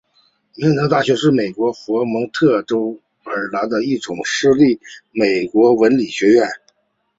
明德大学是美国佛蒙特州米德尔堡的一所私立美国文理学院。